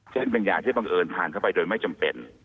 เช่นบางอย่างที่บังเอิญผ่านเข้าไปโดยไม่จำเป็น